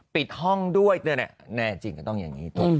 ปิดห้องด้วยแน่จริงก็ต้องอย่างนี้ถูก